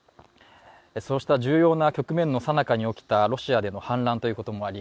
そうした重要な局面のさなかに起きたロシアでの反乱ということもあり